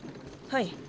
はい。